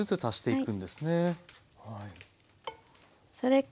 はい。